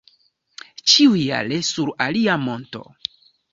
Ĉiujare sur alia monto.